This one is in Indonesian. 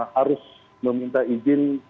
harus meminta izin